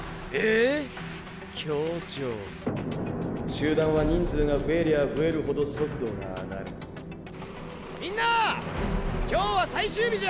集団は人数が増えりゃ増えるほど速度が上がるみんな今日は最終日じゃ！